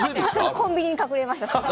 コンビニに隠れました。